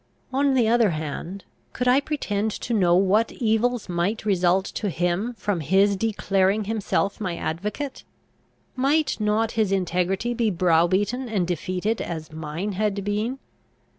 On the other hand, could I pretend to know what evils might result to him from his declaring himself my advocate? Might not his integrity be browbeaten and defeated, as mine had been?